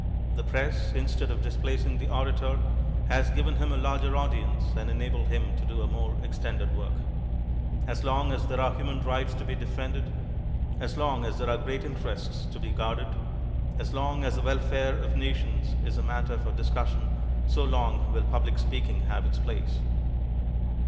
The press, instead of displacing the ora tor, has given him a lar«(!r audience and enabled him to do a more cxtendod work. As long as tiiere are human rights to be defended; as long as there are great interests to be guarded ; as long as the welfare of nations is a matter for discussion, so long will public speaking have it* place.